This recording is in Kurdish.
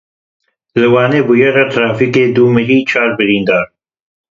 Li Wanê bûyera trafîkê du mirî, çar birîndar.